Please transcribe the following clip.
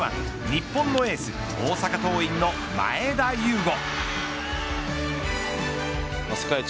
日本のエース大阪桐蔭の前田悠伍。